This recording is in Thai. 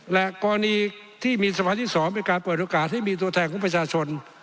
และกรณีที่มีสภาที่๒เป็นการเปิดโอกาสให้มีตัวแทนของประชาชน